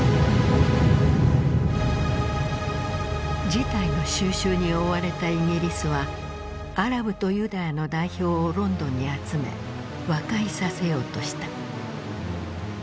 事態の収拾に追われたイギリスはアラブとユダヤの代表をロンドンに集め和解させようとした。